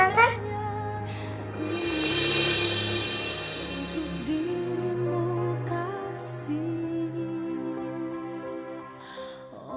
aku ingin untuk dirimu kasih